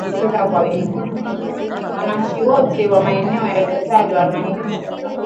Wananchi wote wa maeneo yaliyotajwa wanahimizwa kujitokeza kwa wingi